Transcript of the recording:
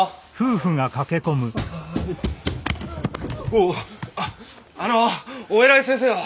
おおあっあのお偉い先生は？